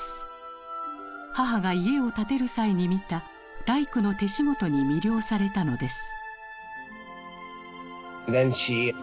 母が家を建てる際に見た大工の手仕事に魅了されたのです。